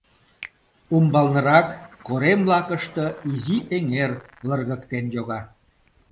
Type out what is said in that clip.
Умбалнырак, корем лакыште, изи эҥер лыргыктен йога.